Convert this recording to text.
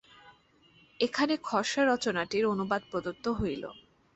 এখানে খসড়া-রচনাটির অনুবাদ প্রদত্ত হইল।